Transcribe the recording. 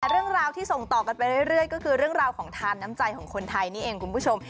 เรื่องราวที่ส่งต่อกันไปเรื่อยก็คือเรื่องราวของทานน้ำใจของคนไทยนี่เองคุณผู้ชม